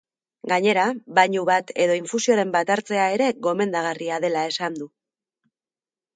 Gainera, bainu bat edo infusioren bat hartzea ere gomendagarria dela esan du.